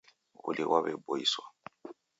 W'uli ghwaw'eboiswa.